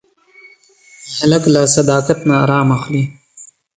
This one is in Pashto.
هلک له صداقت نه ارام اخلي.